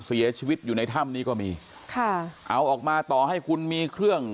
เสียชีวิตอยู่ในถ้ำนี้ก็มีค่ะเอาออกมาต่อให้คุณมีเครื่อง